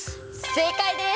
正解です！